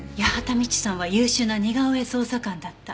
未知さんは優秀な似顔絵捜査官だった。